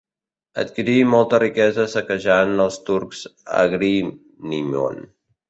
Adquirí molta riquesa saquejant els turcs a Agrínion.